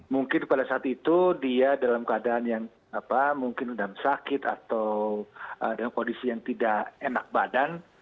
mungkin pada saat itu dia dalam keadaan yang mungkin sudah sakit atau dalam kondisi yang tidak enak badan